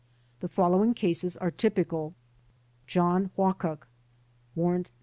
The following cases are typical : John Huacuk (Warrant No.